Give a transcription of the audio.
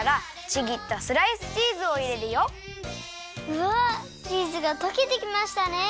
うわチーズがとけてきましたね！